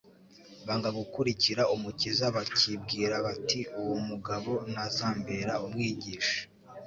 banga gukurikira Umukiza bakibwira bati : uwo mugabo ntazambera Umwigisha.